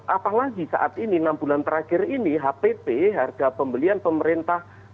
apalagi saat ini enam bulan terakhir ini hpp harga pembelian pemerintah